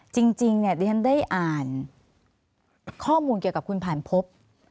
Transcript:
จริงเนี่ยดิฉันได้อ่านข้อมูลเกี่ยวกับคุณผ่านพบ